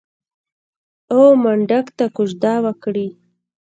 او منډک ته کوژده وکړي.